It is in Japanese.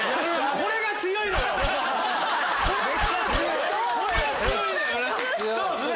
これが強いのかな。